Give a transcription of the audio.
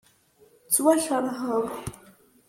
Ttwakeṛheɣ.